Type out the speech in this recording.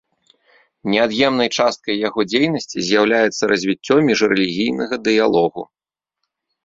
Неад'емнай часткай яго дзейнасці з'яўляецца развіццё міжрэлігійнага дыялогу.